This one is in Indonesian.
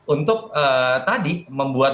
untuk tadi membuat